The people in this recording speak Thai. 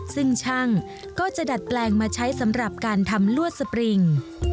ซึ่งช่างก็จะดัดแปลงมาใช้สำหรับการทำลวดสปริง